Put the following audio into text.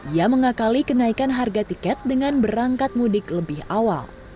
ia mengakali kenaikan harga tiket dengan berangkat mudik lebih awal